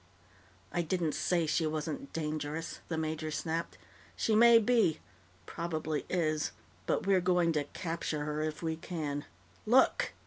"I didn't say she wasn't dangerous," the major snapped. "She may be. Probably is. But we're going to capture her if we can. Look!"